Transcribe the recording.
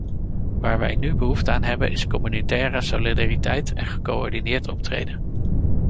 Waar wij nu behoefte aan hebben is communautaire solidariteit en gecoördineerd optreden.